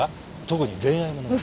特に恋愛物が。